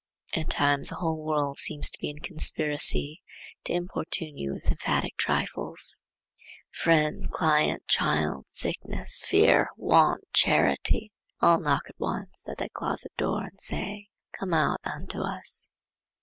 At times the whole world seems to be in conspiracy to importune you with emphatic trifles. Friend, client, child, sickness, fear, want, charity, all knock at once at thy closet door and say,—'Come out unto us.